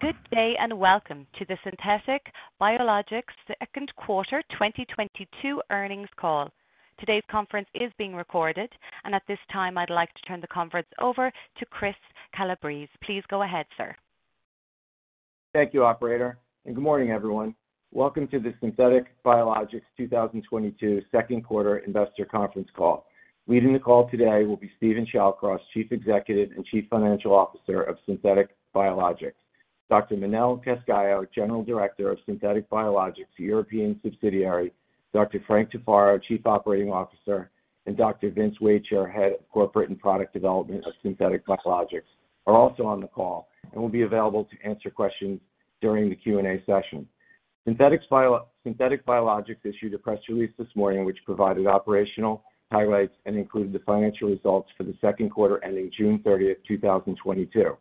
Good day, and welcome to the Theriva Biologics second quarter 2022 earnings call. Today's conference is being recorded. At this time, I'd like to turn the conference over to Chris Calabrese. Please go ahead, sir. Thank you, operator, and good morning, everyone. Welcome to the Theriva Biologics 2022 second quarter investor conference call. Leading the call today will be Steven Shallcross, Chief Executive Officer and Chief Financial Officer of Theriva Biologics. Dr. Manel Cascallo, General Director of Theriva Biologics European subsidiary, Dr. Frank Tufaro, Chief Operating Officer, and Dr. Vince Wacher, Head of Corporate and Product Development of Theriva Biologics, are also on the call and will be available to answer questions during the Q&A session. Synthetic Biologics – Theriva Biologics issued a press release this morning, which provided operational highlights and included the financial results for the second quarter ending June 30, 2022.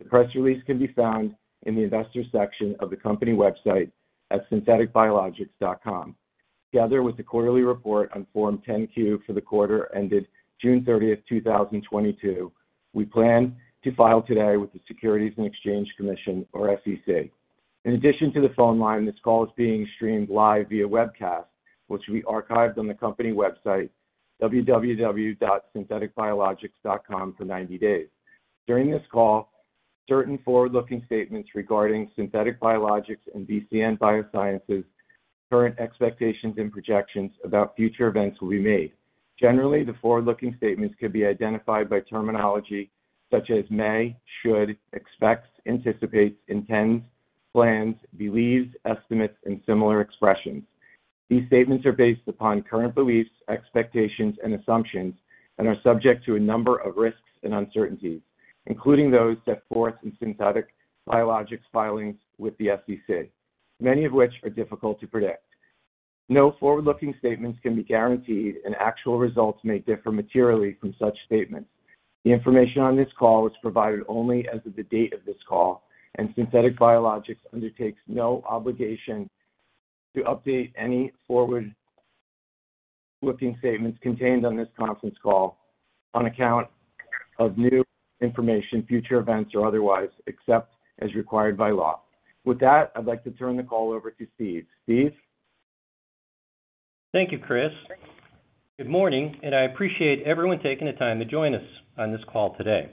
The press release can be found in the Investors section of the company website at therivabio.com. Together with the quarterly report on Form 10-Q for the quarter ended June 30, 2022, we plan to file today with the Securities and Exchange Commission, or SEC. In addition to the phone line, this call is being streamed live via webcast, which will be archived on the company website www.therivabio.com for 90 days. During this call, certain forward-looking statements regarding Theriva Biologics and VCN Biosciences current expectations and projections about future events will be made. Generally, the forward-looking statements can be identified by terminology such as may, should, expects, anticipates, intends, plans, believes, estimates and similar expressions. These statements are based upon current beliefs, expectations and assumptions and are subject to a number of risks and uncertainties, including those set forth in Theriva Biologics filings with the SEC, many of which are difficult to predict. No forward-looking statements can be guaranteed, and actual results may differ materially from such statements. The information on this call is provided only as of the date of this call, and Theriva Biologics undertakes no obligation to update any forward-looking statements contained on this conference call on account of new information, future events, or otherwise, except as required by law. With that, I'd like to turn the call over to Steve. Steve? Thank you, Chris. Good morning, and I appreciate everyone taking the time to join us on this call today.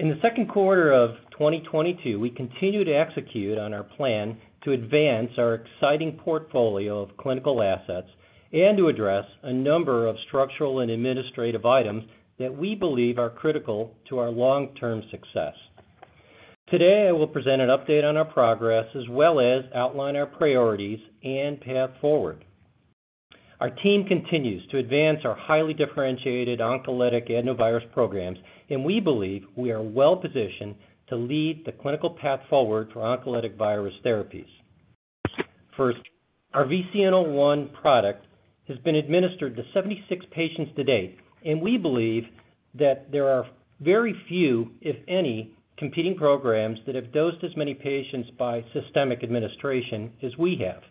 In the second quarter of 2022, we continued to execute on our plan to advance our exciting portfolio of clinical assets and to address a number of structural and administrative items that we believe are critical to our long-term success. Today, I will present an update on our progress as well as outline our priorities and path forward. Our team continues to advance our highly differentiated oncolytic adenovirus programs, and we believe we are well positioned to lead the clinical path forward for oncolytic virus therapies. First, our VCN-01 product has been administered to 76 patients to date, and we believe that there are very few, if any, competing programs that have dosed as many patients by systemic administration as we have.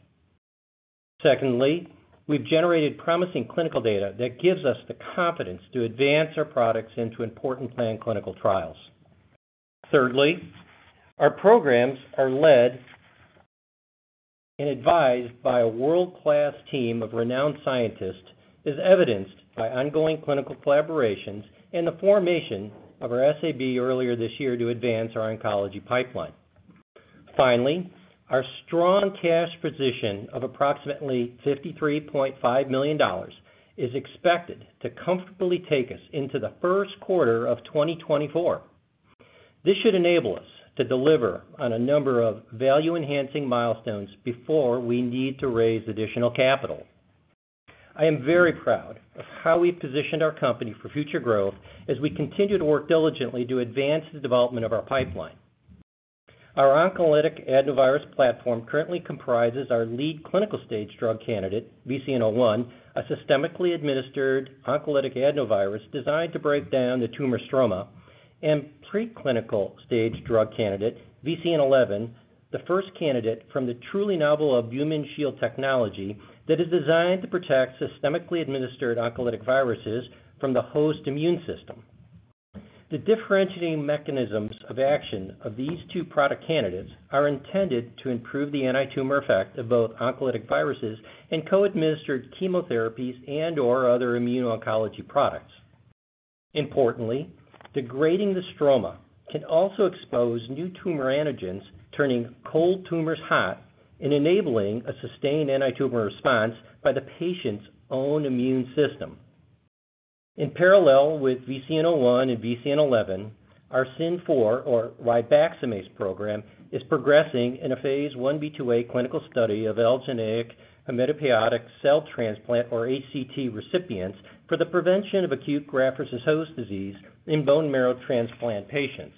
Secondly, we've generated promising clinical data that gives us the confidence to advance our products into important planned clinical trials. Thirdly, our programs are led and advised by a world-class team of renowned scientists, as evidenced by ongoing clinical collaborations and the formation of our SAB earlier this year to advance our oncology pipeline. Finally, our strong cash position of approximately $53.5 million is expected to comfortably take us into the first quarter of 2024. This should enable us to deliver on a number of value-enhancing milestones before we need to raise additional capital. I am very proud of how we've positioned our company for future growth as we continue to work diligently to advance the development of our pipeline. Our oncolytic adenovirus platform currently comprises our lead clinical stage drug candidate, VCN-01, a systemically administered oncolytic adenovirus designed to break down the tumor stroma, and preclinical stage drug candidate VCN-11, the first candidate from the truly novel Albumin Shield technology that is designed to protect systemically administered oncolytic viruses from the host immune system. The differentiating mechanisms of action of these two product candidates are intended to improve the antitumor effect of both oncolytic viruses and co-administered chemotherapies and/or other immuno-oncology products. Importantly, degrading the stroma can also expose new tumor antigens, turning cold tumors hot and enabling a sustained antitumor response by the patient's own immune system. In parallel with VCN-01 and VCN-11, our SYN-004 or ribaxamase program is progressing in a phase 1b/2a clinical study of allogeneic hematopoietic cell transplant or HCT recipients for the prevention of acute graft-versus-host disease in bone marrow transplant patients.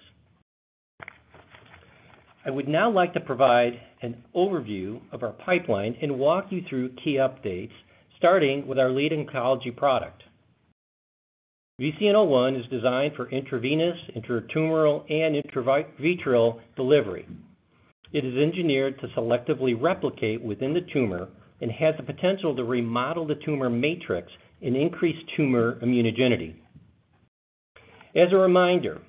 I would now like to provide an overview of our pipeline and walk you through key updates, starting with our lead oncology product. VCN-01 is designed for intravenous, intratumoral, and intravitreal delivery. It is engineered to selectively replicate within the tumor and has the potential to remodel the tumor matrix and increase tumor immunogenicity. As a reminder,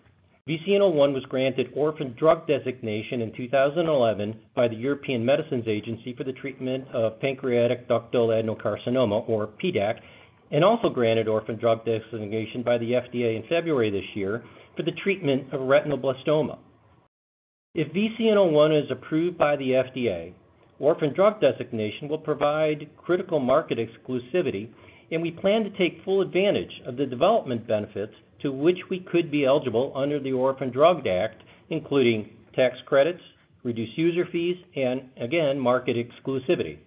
VCN-01 was granted orphan drug designation in 2011 by the European Medicines Agency for the treatment of pancreatic ductal adenocarcinoma, or PDAC, and also granted orphan drug designation by the FDA in February this year for the treatment of retinoblastoma. If VCN-01 is approved by the FDA, orphan drug designation will provide critical market exclusivity, and we plan to take full advantage of the development benefits to which we could be eligible under the Orphan Drug Act, including tax credits, reduced user fees, and again, market exclusivity.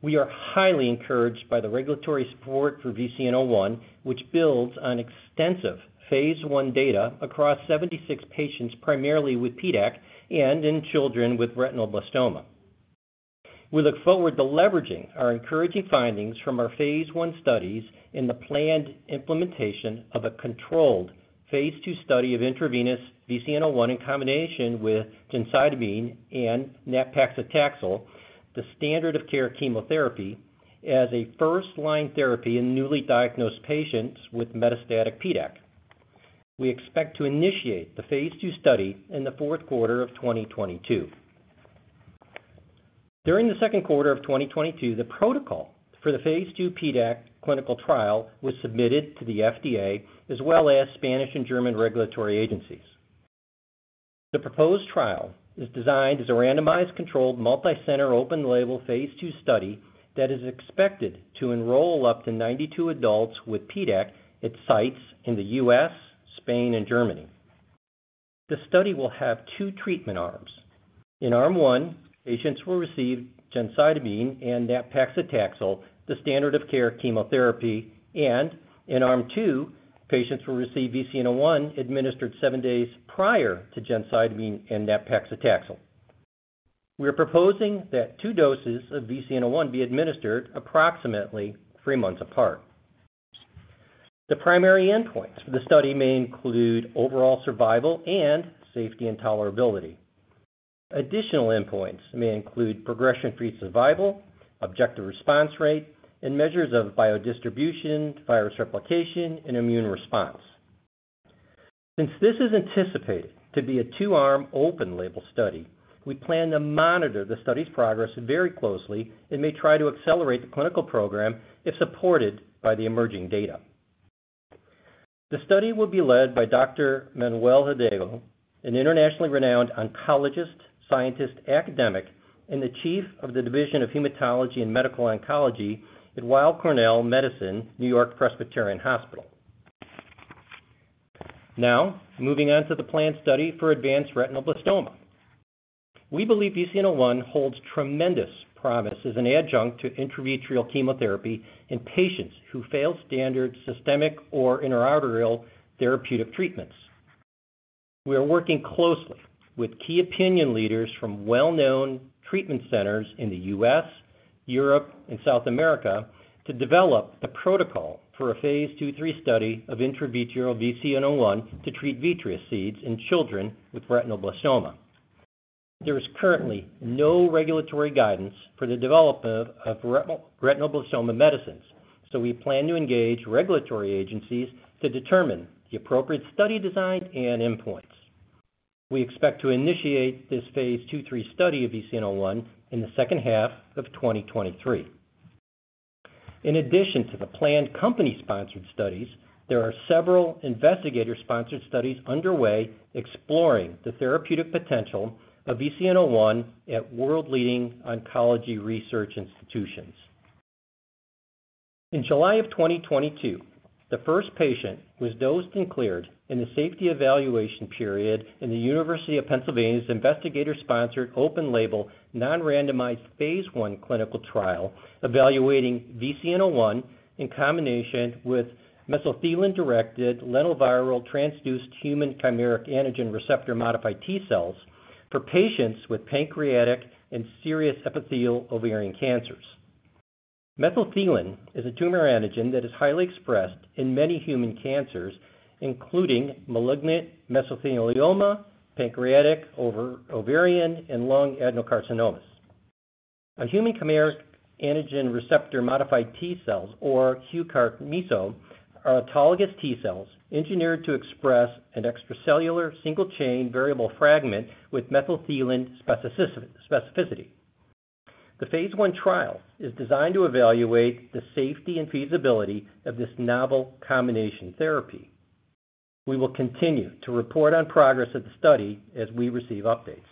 We are highly encouraged by the regulatory support for VCN-01, which builds on extensive phase 1 data across 76 patients, primarily with PDAC and in children with retinoblastoma. We look forward to leveraging our encouraging findings from our phase 1 studies in the planned implementation of a controlled phase 2 study of intravenous VCN-01 in combination with gemcitabine and nab-paclitaxel, the standard of care chemotherapy, as a first-line therapy in newly diagnosed patients with metastatic PDAC. We expect to initiate the phase 2 study in the fourth quarter of 2022. During the second quarter of 2022, the protocol for the phase 2 PDAC clinical trial was submitted to the FDA as well as Spanish and German regulatory agencies. The proposed trial is designed as a randomized, controlled, multicenter, open label phase 2 study that is expected to enroll up to 92 adults with PDAC at sites in the U.S., Spain, and Germany. The study will have two treatment arms. In arm one, patients will receive gemcitabine and nab-paclitaxel, the standard of care chemotherapy, and in arm two, patients will receive VCN-01 administered seven days prior to gemcitabine and nab-paclitaxel. We are proposing that two doses of VCN-01 be administered approximately three months apart. The primary endpoints for the study may include overall survival and safety and tolerability. Additional endpoints may include progression-free survival, objective response rate, and measures of biodistribution, virus replication, and immune response. Since this is anticipated to be a two-arm open label study, we plan to monitor the study's progress very closely and may try to accelerate the clinical program if supported by the emerging data. The study will be led by Dr. Manuel Hidalgo, an internationally renowned oncologist, scientist, academic, and the chief of the Division of Hematology and Medical Oncology at Weill Cornell Medicine, NewYork-Presbyterian Hospital. Now, moving on to the planned study for advanced retinoblastoma. We believe VCN-01 holds tremendous promise as an adjunct to intravitreal chemotherapy in patients who fail standard systemic or intra-arterial therapeutic treatments. We are working closely with key opinion leaders from well-known treatment centers in the U.S., Europe, and South America to develop the protocol for a phase 2/3 study of intravitreal VCN-01 to treat vitreous seeds in children with retinoblastoma. There is currently no regulatory guidance for the development of retinoblastoma medicines, so we plan to engage regulatory agencies to determine the appropriate study design and endpoints. We expect to initiate this phase 2/3 study of VCN-01 in the second half of 2023. In addition to the planned company-sponsored studies, there are several investigator-sponsored studies underway exploring the therapeutic potential of VCN-01 at world-leading oncology research institutions. In July of 2022, the first patient was dosed and cleared in the safety evaluation period in the University of Pennsylvania's investigator-sponsored, open-label, non-randomized phase 1 clinical trial evaluating VCN-01 in combination with mesothelin-directed lentiviral transduced human chimeric antigen receptor-modified T cells for patients with pancreatic and serous epithelial ovarian cancers. Mesothelin is a tumor antigen that is highly expressed in many human cancers, including malignant mesothelioma, pancreatic, ovarian, and lung adenocarcinomas. A human chimeric antigen receptor-modified T cells, or huCART-meso, are autologous T cells engineered to express an extracellular single-chain variable fragment with mesothelin specificity. The phase 1 trial is designed to evaluate the safety and feasibility of this novel combination therapy. We will continue to report on progress of the study as we receive updates.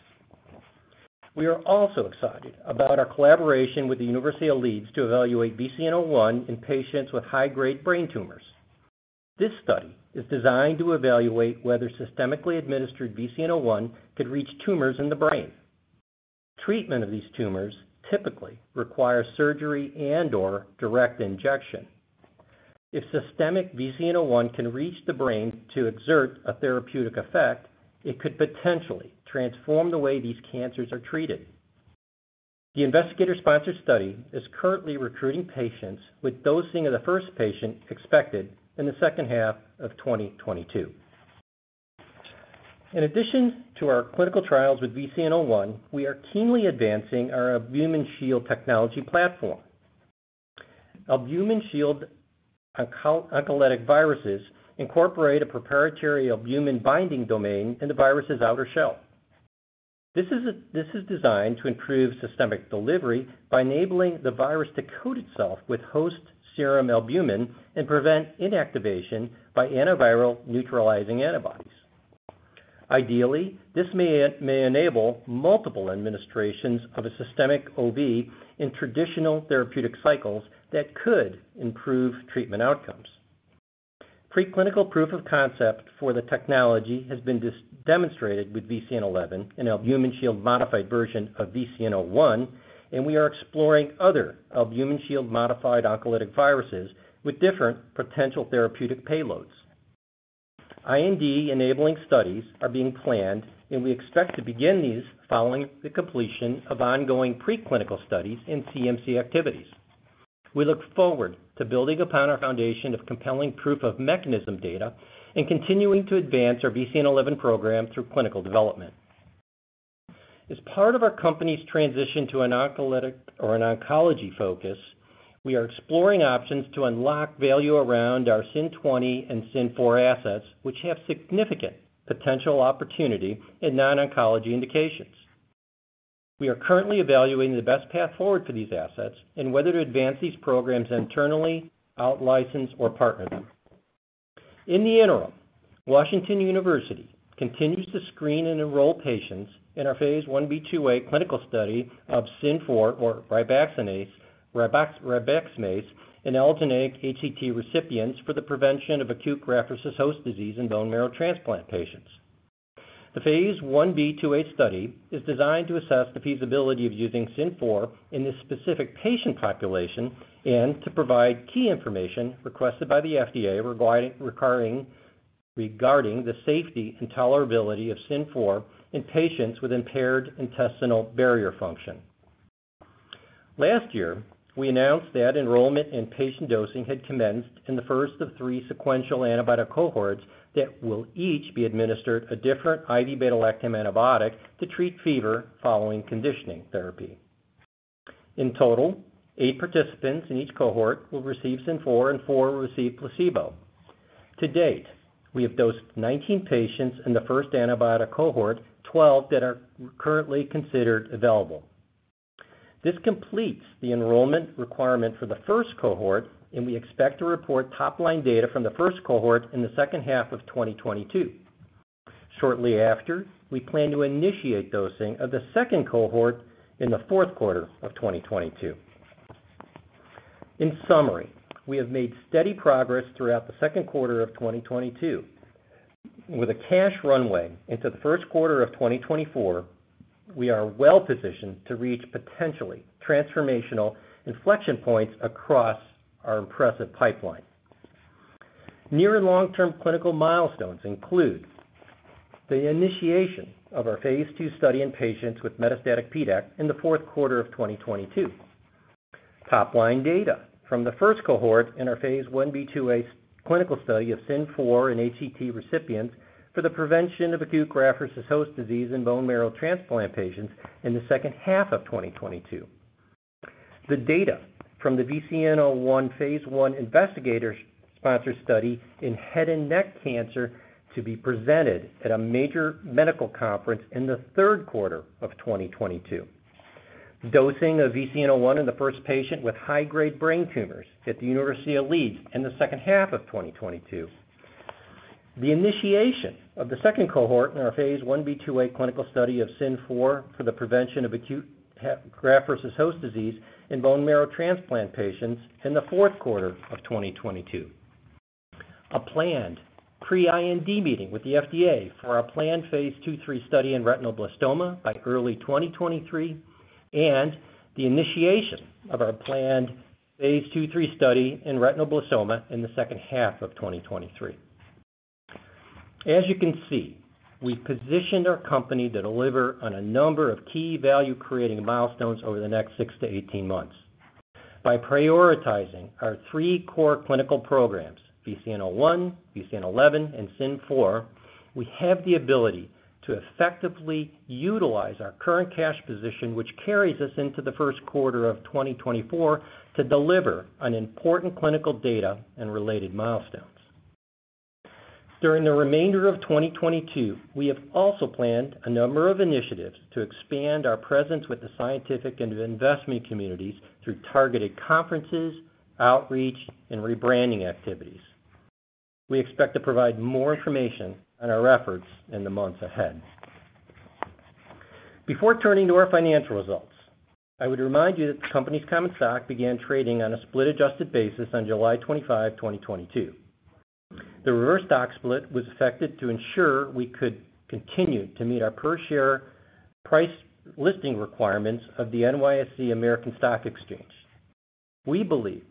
We are also excited about our collaboration with the University of Leeds to evaluate VCN-01 in patients with high-grade brain tumors. This study is designed to evaluate whether systemically administered VCN-01 could reach tumors in the brain. Treatment of these tumors typically requires surgery and/or direct injection. If systemic VCN-01 can reach the brain to exert a therapeutic effect, it could potentially transform the way these cancers are treated. The investigator-sponsored study is currently recruiting patients with dosing of the first patient expected in the second half of 2022. In addition to our clinical trials with VCN-01, we are keenly advancing our Albumin Shield technology platform. Albumin Shield oncolytic viruses incorporate a proprietary albumin binding domain in the virus's outer shell. This is designed to improve systemic delivery by enabling the virus to coat itself with host serum albumin and prevent inactivation by antiviral neutralizing antibodies. Ideally, this may enable multiple administrations of a systemic OV in traditional therapeutic cycles that could improve treatment outcomes. Preclinical proof of concept for the technology has been demonstrated with VCN-11, an Albumin Shield modified version of VCN-01, and we are exploring other Albumin Shield modified oncolytic viruses with different potential therapeutic payloads. IND-enabling studies are being planned, and we expect to begin these following the completion of ongoing preclinical studies and CMC activities. We look forward to building upon our foundation of compelling proof of mechanism data and continuing to advance our VCN-11 program through clinical development. As part of our company's transition to an oncolytic and oncology focus, we are exploring options to unlock value around our SYN-020 and SYN-004 assets, which have significant potential opportunity in non-oncology indications. We are currently evaluating the best path forward for these assets and whether to advance these programs internally, out-license, or partner them. In the interim, Washington University continues to screen and enroll patients in our phase 1b/2a clinical study of SYN-004, or ribaxamase, in allogeneic HCT recipients for the prevention of acute graft-versus-host disease in bone marrow transplant patients. The phase 1b/2a study is designed to assess the feasibility of using SYN-004 in this specific patient population and to provide key information requested by the FDA regarding the safety and tolerability of SYN-004 in patients with impaired intestinal barrier function. Last year, we announced that enrollment and patient dosing had commenced in the first of three sequential antibiotic cohorts that will each be administered a different IV beta-lactam antibiotic to treat fever following conditioning therapy. In total, eight participants in each cohort will receive SYN-004 and four will receive placebo. To date, we have dosed 19 patients in the first antibiotic cohort, 12 that are currently considered available. This completes the enrollment requirement for the first cohort, and we expect to report top-line data from the first cohort in the second half of 2022. Shortly after, we plan to initiate dosing of the second cohort in the fourth quarter of 2022. In summary, we have made steady progress throughout the second quarter of 2022. With a cash runway into the first quarter of 2024, we are well-positioned to reach potentially transformational inflection points across our impressive pipeline. Near- and long-term clinical milestones include the initiation of our phase 2 study in patients with metastatic PDAC in the fourth quarter of 2022. Top-line data from the first cohort in our phase 1b/2a clinical study of SYN-004 in HCT recipients for the prevention of acute graft-versus-host disease in bone marrow transplant patients in the second half of 2022. The data from the VCN-01 phase 1 investigator-sponsored study in head and neck cancer to be presented at a major medical conference in the third quarter of 2022. Dosing of VCN-01 in the first patient with high-grade brain tumors at the University of Leeds in the second half of 2022. The initiation of the second cohort in our phase 1b/2a clinical study of SYN-004 for the prevention of acute graft-versus-host disease in bone marrow transplant patients in the fourth quarter of 2022. A planned pre-IND meeting with the FDA for our planned phase 2/3 study in retinoblastoma by early 2023, and the initiation of our planned phase 2/3 study in retinoblastoma in the second half of 2023. As you can see, we've positioned our company to deliver on a number of key value-creating milestones over the next six to 18 months. By prioritizing our three core clinical programs, VCN-01, VCN-11, and SYN-004, we have the ability to effectively utilize our current cash position, which carries us into the first quarter of 2024, to deliver on important clinical data and related milestones. During the remainder of 2022, we have also planned a number of initiatives to expand our presence with the scientific and investment communities through targeted conferences, outreach, and rebranding activities. We expect to provide more information on our efforts in the months ahead. Before turning to our financial results, I would remind you that the company's common stock began trading on a split-adjusted basis on July 25, 2022. The reverse stock split was effected to ensure we could continue to meet our per-share price listing requirements of the NYSE American. We believe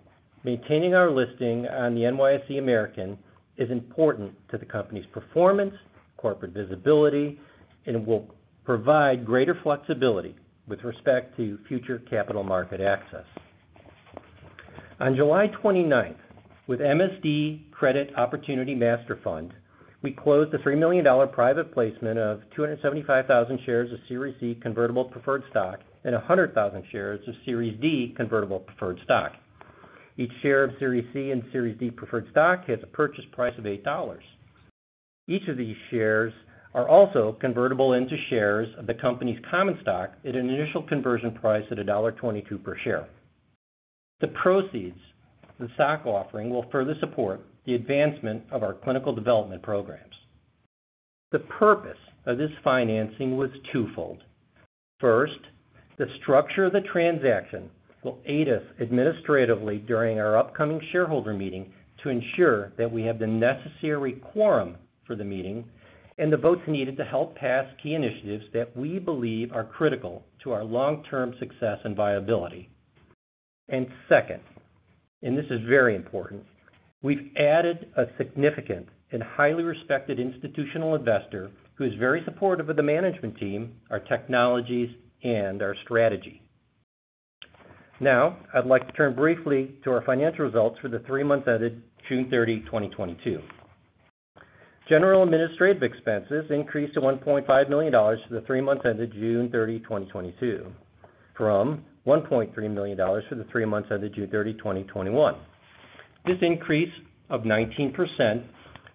maintaining our listing on the NYSE American is important to the company's performance, corporate visibility, and will provide greater flexibility with respect to future capital market access. On July 29th, with MSD Credit Opportunity Master Fund, we closed a $3 million private placement of 275,000 shares of Series C convertible preferred stock and 100,000 shares of Series D convertible preferred stock. Each share of Series C and Series D preferred stock has a purchase price of $8. Each of these shares are also convertible into shares of the company's common stock at an initial conversion price at $1.22 per share. The proceeds of the stock offering will further support the advancement of our clinical development programs. The purpose of this financing was twofold. First, the structure of the transaction will aid us administratively during our upcoming shareholder meeting to ensure that we have the necessary quorum for the meeting and the votes needed to help pass key initiatives that we believe are critical to our long-term success and viability. Second, and this is very important, we've added a significant and highly respected institutional investor who is very supportive of the management team, our technologies, and our strategy. Now I'd like to turn briefly to our financial results for the three months ended June 30, 2022. General administrative expenses increased to $1.5 million for the three months ended June 30, 2022, from $1.3 million for the three months ended June 30, 2021. This increase of 19%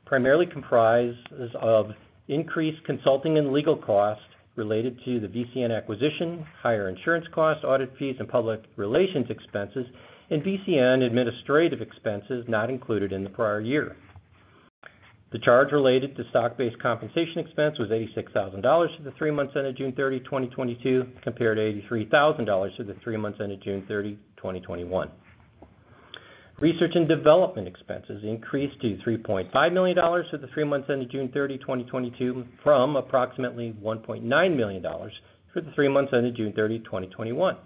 primarily comprises of increased consulting and legal costs related to the VCN acquisition, higher insurance costs, audit fees, and public relations expenses, and VCN administrative expenses not included in the prior year. The charge related to stock-based compensation expense was $86,000 for the three months ended June 30, 2022, compared to $83,000 for the three months ended June 30, 2021. Research and development expenses increased to $3.5 million for the three months ended June 30, 2022, from approximately $1.9 million for the three months ended June 30, 2021.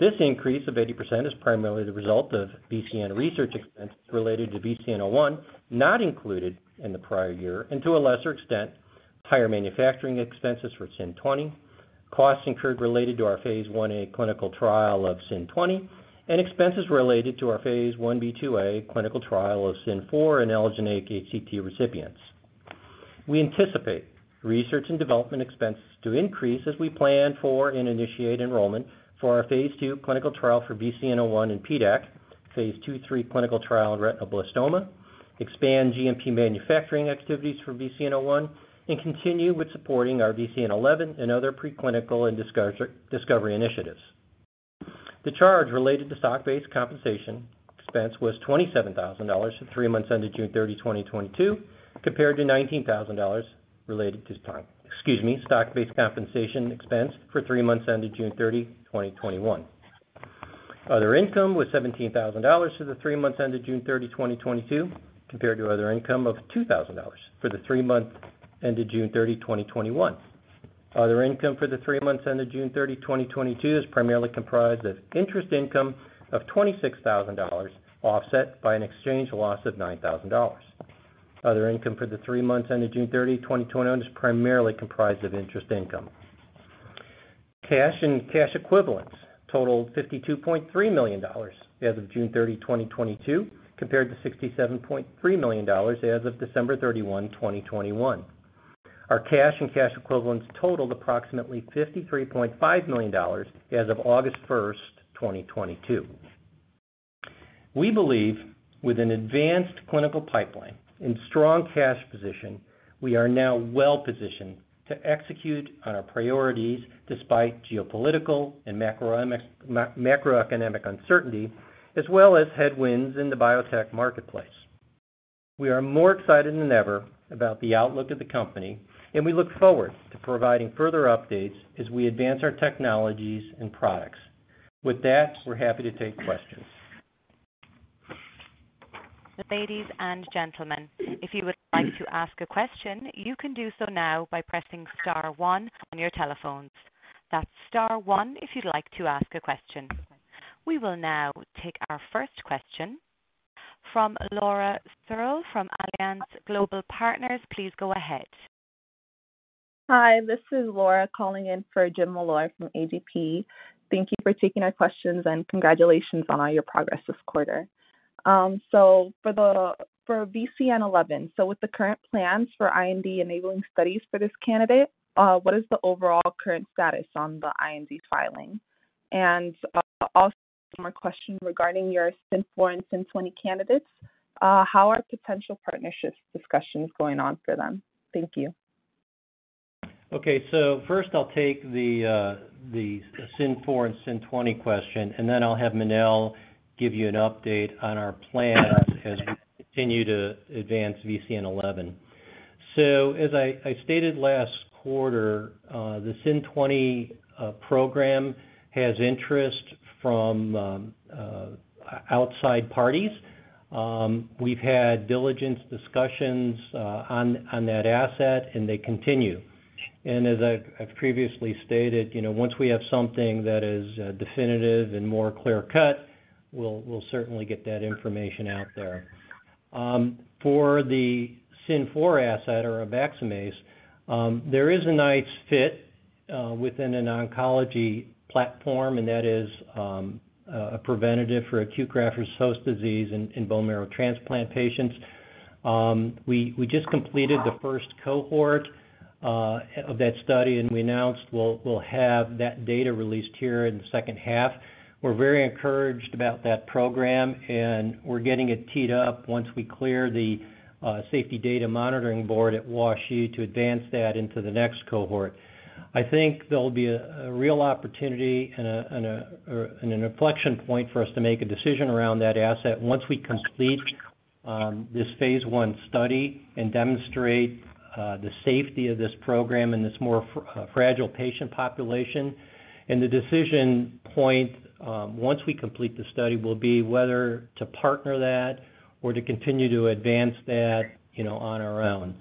This increase of 80% is primarily the result of VCN research expense related to VCN-01, not included in the prior year, and to a lesser extent, higher manufacturing expenses for SYN-20, costs incurred related to our phase 1a clinical trial of SYN-20, and expenses related to our phase 1b/2a clinical trial of SYN-004 in eligible HCT recipients. We anticipate research and development expenses to increase as we plan for and initiate enrollment for our phase 2 clinical trial for VCN-01 in PDAC, phase 2/3 clinical trial in retinoblastoma, expand GMP manufacturing activities for VCN-01, and continue with supporting our VCN-11 and other preclinical and discovery initiatives. The charge related to stock-based compensation expense was $27,000 for the three months ended June 30, 2022, compared to $19,000 related to stock-based compensation expense for the three months ended June 30, 2021. Other income was $17,000 for the three months ended June 30, 2022, compared to other income of $2,000 for the three months ended June 30, 2021. Other income for the three months ended June 30, 2022, is primarily comprised of interest income of $26,000, offset by an exchange loss of $9,000. Other income for the three months ended June 30, 2021, is primarily comprised of interest income. Cash and cash equivalents totaled $52.3 million as of June 30, 2022, compared to $67.3 million as of December 31, 2021. Our cash and cash equivalents totaled approximately $53.5 million as of August 1, 2022. We believe with an advanced clinical pipeline and strong cash position, we are now well positioned to execute on our priorities despite geopolitical and macroeconomic uncertainty, as well as headwinds in the biotech marketplace. We are more excited than ever about the outlook of the company, and we look forward to providing further updates as we advance our technologies and products. With that, we're happy to take questions. Ladies and gentlemen, if you would like to ask a question, you can do so now by pressing star one on your telephones. That's star one if you'd like to ask a question. We will now take our first question from Laura Suriel from Alliance Global Partners. Please go ahead. Hi, this is Laura calling in for James Molloy from A.G.P. Thank you for taking our questions, and congratulations on all your progress this quarter. For VCN-11. With the current plans for IND enabling studies for this candidate, what is the overall current status on the IND filing? Also some more questions regarding your SYN-004 and SYN-20 candidates. How are potential partnerships discussions going on for them? Thank you. Okay. First I'll take the SYN-004 and SYN-20 question, and then I'll have Manel give you an update on our plans as we continue to advance VCN-11. As I stated last quarter, the SYN-20 program has interest from outside parties. We've had diligence discussions on that asset, and they continue. As I've previously stated once we have something that is definitive and more clear-cut, we'll certainly get that information out there. For the SYN-004 asset or ribaxamase, there is a nice fit within an oncology platform, and that is a preventative for acute graft-versus-host disease in bone marrow transplant patients. We just completed the first cohort of that study, and we announced we'll have that data released here in the second half. We're very encouraged about that program, and we're getting it teed up once we clear the safety data monitoring board at WashU to advance that into the next cohort. I think there'll be a real opportunity and an inflection point for us to make a decision around that asset once we complete this phase one study and demonstrate the safety of this program in this more fragile patient population. The decision point once we complete the study will be whether to partner that or to continue to advance that on our own.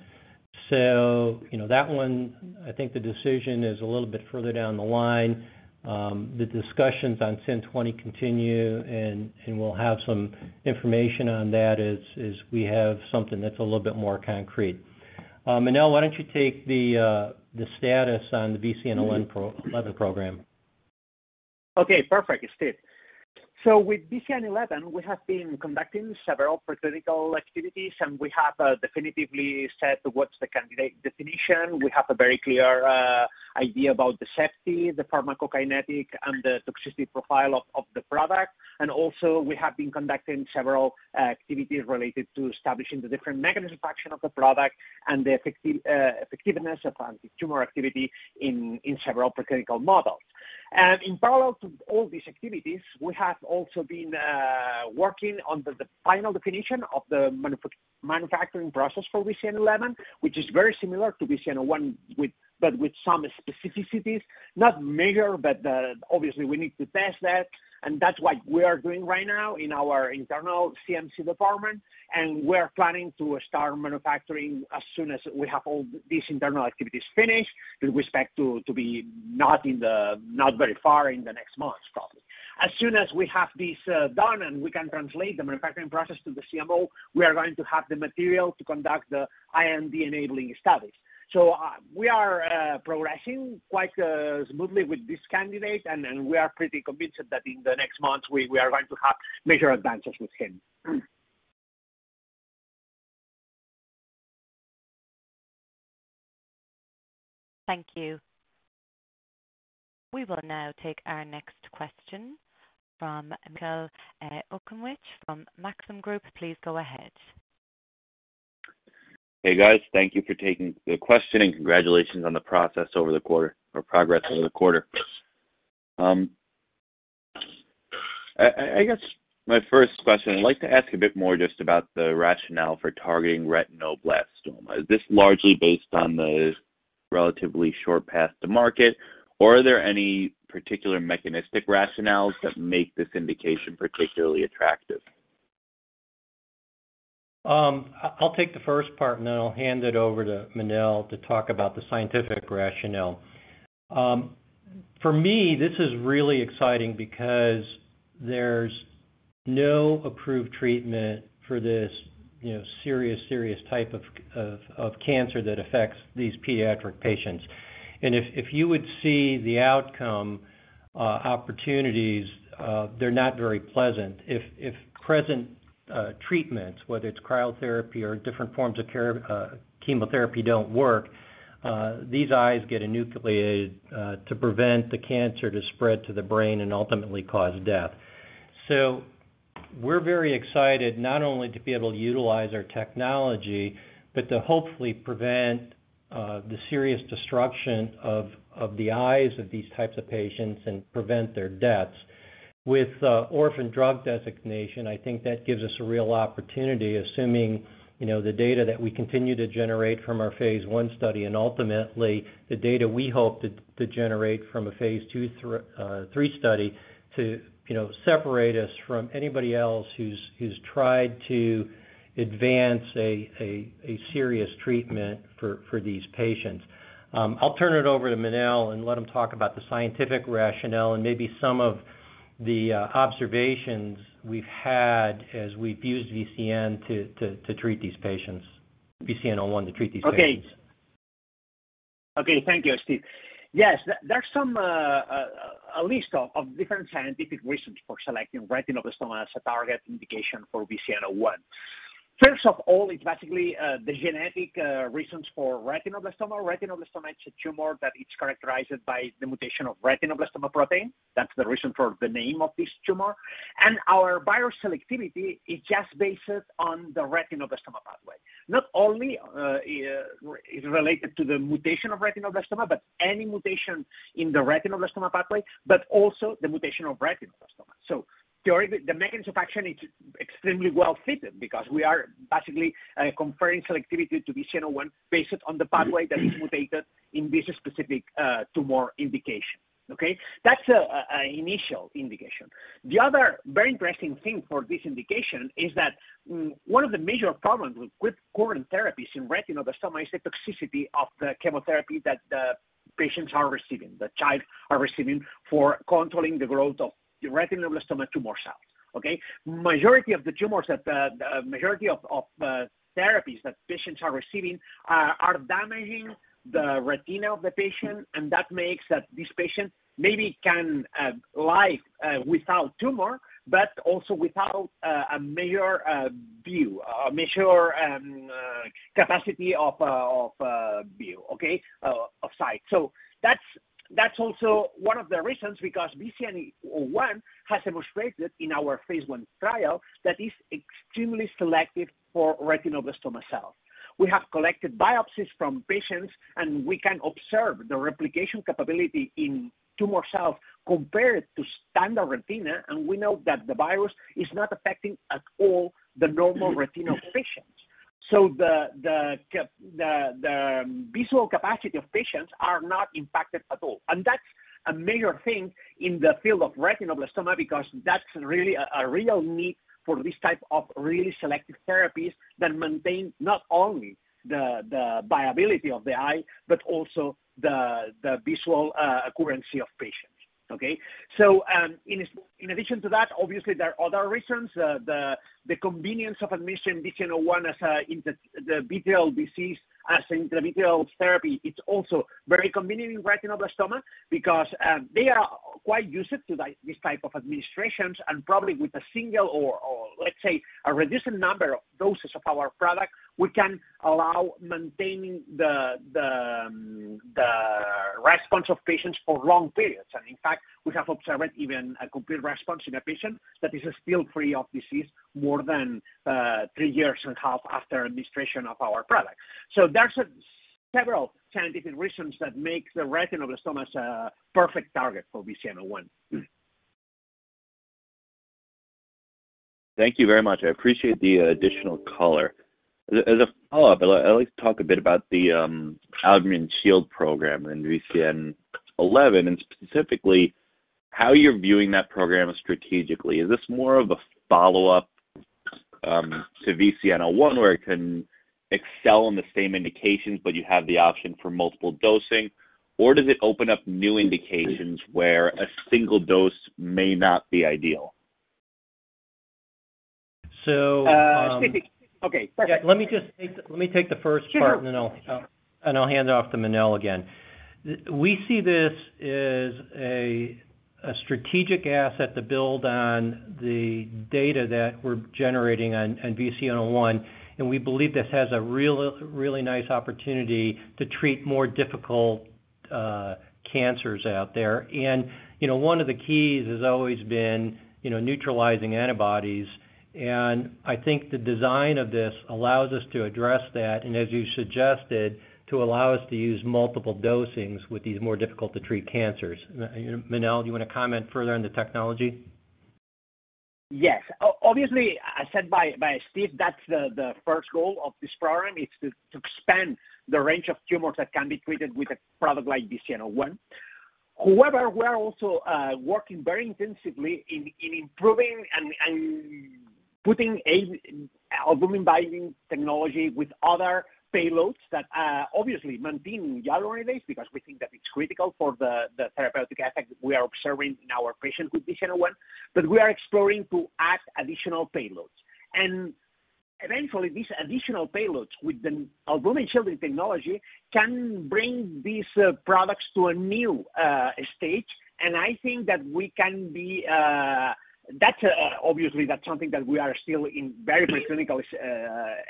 That one, I think the decision is a little bit further down the line. The discussions on SYN-020 continue, and we'll have some information on that as we have something that's a little bit more concrete. Manel, why don't you take the status on the VCN-01 program? Okay, perfect, Steve. With VCN-11, we have been conducting several preclinical activities, and we have definitively set what's the candidate definition. We have a very clear idea about the safety, the pharmacokinetic, and the toxicity profile of the product. Also, we have been conducting several activities related to establishing the different mechanism of action of the product and the effectiveness of antitumor activity in several preclinical models. In parallel to all these activities, we have also been working on the final definition of the manufacturing process for VCN-11, which is very similar to VCN-01 with, but with some specificities, not major, but obviously we need to test that. That's what we are doing right now in our internal CMC department, and we're planning to start manufacturing as soon as we have all these internal activities finished. We expect to be not very far in the next months, probably. As soon as we have this done, and we can translate the manufacturing process to the CMO, we are going to have the material to conduct the IND-enabling studies. We are progressing quite smoothly with this candidate, and we are pretty convinced that in the next months we are going to have major advances with him. Thank you. We will now take our next question from Michael Okunewitch from Maxim Group. Please go ahead. Hey, guys. Thank you for taking the question and congratulations on the progress over the quarter. I guess my first question, I'd like to ask a bit more just about the rationale for targeting retinoblastoma. Is this largely based on the relatively short path to market, or are there any particular mechanistic rationales that make this indication particularly attractive? I'll take the first part, and then I'll hand it over to Manel to talk about the scientific rationale. For me, this is really exciting because there's no approved treatment for this, you know, serious type of cancer that affects these pediatric patients. If you would see the outcomes, they're not very pleasant. If present treatments, whether it's cryotherapy or different forms of chemotherapy don't work, these eyes get enucleated to prevent the cancer to spread to the brain and ultimately cause death. We're very excited not only to be able to utilize our technology but to hopefully prevent the serious destruction of the eyes of these types of patients and prevent their deaths. With orphan drug designation, I think that gives us a real opportunity, assuming the data that we continue to generate from our phase one study and ultimately the data we hope to generate from a phase two through three study to separate us from anybody else who's tried to advance a serious treatment for these patients. I'll turn it over to Manel and let him talk about the scientific rationale and maybe some of the observations we've had as we've used VCN to treat these patients, VCN-01 to treat these patients. Okay, thank you, Steve. Yes, there are some, a list of different scientific reasons for selecting retinoblastoma as a target indication for VCN-01. First of all, it's basically the genetic reasons for retinoblastoma. Retinoblastoma is a tumor that is characterized by the mutation of retinoblastoma protein. That's the reason for the name of this tumor. Our viral selectivity is just based on the retinoblastoma pathway. Not only is related to the mutation of retinoblastoma, but any mutation in the retinoblastoma pathway, but also the mutation of retinoblastoma. Theoretically, the mechanism of action is extremely well fitted because we are basically conferring selectivity to VCN-01 based on the pathway that is mutated in this specific tumor indication. Okay? That's an initial indication. The other very interesting thing for this indication is that one of the major problems with current therapies in retinoblastoma is the toxicity of the chemotherapy that patients are receiving, the child are receiving for controlling the growth of the retinoblastoma tumor cells. The majority of therapies that patients are receiving are damaging the retina of the patient, and that makes this patient maybe can live without tumor, but also without a major capacity of sight. That's also one of the reasons because VCN-01 has demonstrated in our phase 1 trial that is extremely selective for retinoblastoma cells. We have collected biopsies from patients, and we can observe the replication capability in tumor cells compared to standard retina, and we know that the virus is not affecting at all the normal retinal tissue. The visual capacity of patients are not impacted at all. That's a major thing in the field of retinoblastoma because that's really a real need for this type of really selective therapies that maintain not only the viability of the eye, but also the visual acuity of patients, okay? In addition to that, obviously, there are other reasons. The convenience of administering VCN-01 as an intravitreal therapy, it's also very convenient in retinoblastoma because they are quite used to this type of administrations and probably with a single or, let's say, a reduced number of doses of our product, we can allow maintaining the response of patients for long periods. In fact, we have observed even a complete response in a patient that is still free of disease more than 3 years and a half after administration of our product. There's several scientific reasons that makes the retinoblastoma a perfect target for VCN-01. Thank you very much. I appreciate the additional color. As a follow-up, I'd like to talk a bit about the Albumin Shield program in VCN-11, and specifically how you're viewing that program strategically. Is this more of a follow-up to VCN-01 where it can excel in the same indications, but you have the option for multiple dosing? Or does it open up new indications where a single dose may not be ideal? So, um- Steve. Okay. Yeah, let me just take the first part. Sure. I'll hand it off to Manel again. We see this as a strategic asset to build on the data that we're generating on VCN-01, and we believe this has a real, really nice opportunity to treat more difficult cancers out there. You know, one of the keys has always been neutralizing antibodies. I think the design of this allows us to address that, and as you suggested, to allow us to use multiple dosings with these more difficult to treat cancers. Manel, do you wanna comment further on the technology? Yes. Obviously, as said by Steve, that's the first goal of this program is to expand the range of tumors that can be treated with a product like VCN-01. However, we are also working very intensively in improving and putting a albumin-binding technology with other payloads that obviously maintaining hyaluronidase because we think that it's critical for the therapeutic effect we are observing in our patient with VCN-01. We are exploring to add additional payloads. Eventually, these additional payloads with the albumin shielding technology can bring these products to a new stage. I think that we can be. That's obviously something that we are still in very preclinical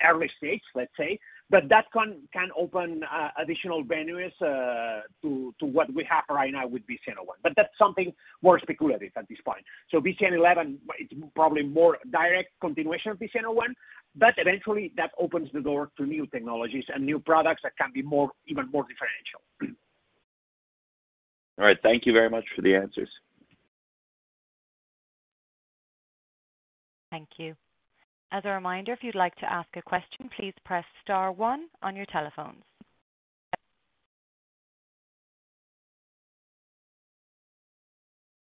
early stage, let's say. That can open additional venues to what we have right now with VCN-01, but that's something more speculative at this point. VCN-11 it's probably more direct continuation of VCN-01, but eventually that opens the door to new technologies and new products that can be more, even more differential. All right. Thank you very much for the answers. Thank you. As a reminder, if you'd like to ask a question, please press star one on your telephones.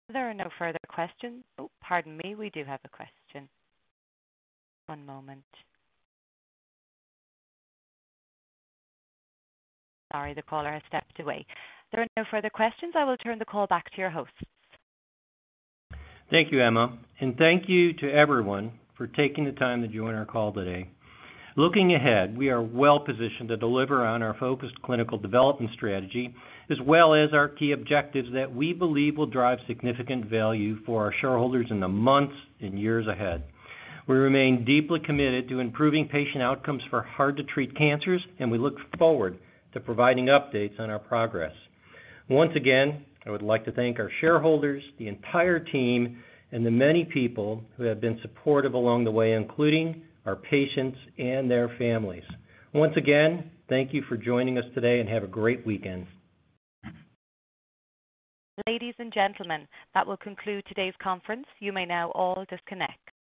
If there are no further questions. Oh, pardon me. We do have a question. One moment. Sorry, the caller has stepped away. If there are no further questions, I will turn the call back to your host. Thank you, Emma. Thank you to everyone for taking the time to join our call today. Looking ahead, we are well positioned to deliver on our focused clinical development strategy, as well as our key objectives that we believe will drive significant value for our shareholders in the months and years ahead. We remain deeply committed to improving patient outcomes for hard to treat cancers, and we look forward to providing updates on our progress. Once again, I would like to thank our shareholders, the entire team, and the many people who have been supportive along the way, including our patients and their families. Once again, thank you for joining us today and have a great weekend. Ladies and gentlemen, that will conclude today's conference. You may now all disconnect.